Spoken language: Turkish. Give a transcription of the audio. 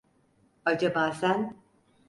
Acaba sen…